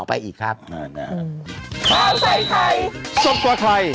อ้าว